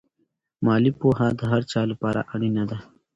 مالي پوهه د هر چا لپاره اړینه ده.